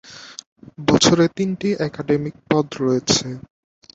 বছরে তিনটি একাডেমিক পদ রয়েছে।